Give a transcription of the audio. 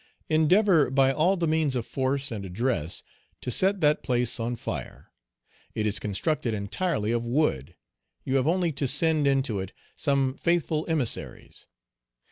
Endeavor, by all the means of force and address, to set that place on fire; it is constructed entirely of wood; you have only to send into it some faithful emissaries.